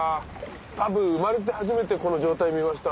たぶん生まれて初めてこの状態見ました。